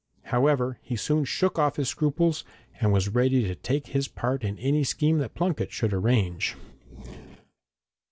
However, he soon shook off his scruples, and was ready to take his part in any scheme that Plunket should arrange.